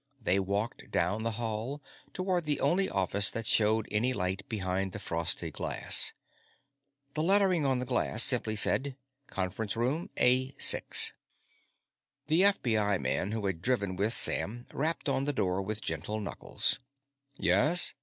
They walked down the hall, toward the only office that showed any light behind the frosted glass. The lettering on the glass simply said: Conference Room A 6. The FBI man who had driven with Sam rapped on the door with gentle knuckles. "Yes?"